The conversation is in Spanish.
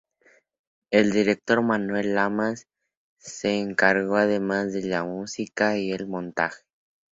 El director, Manuel Lamas, se encargó además de la música y el montaje.